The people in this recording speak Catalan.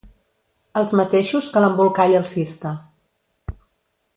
Els mateixos que l'Embolcall alcista.